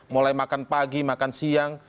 mulai makan pagi makan siang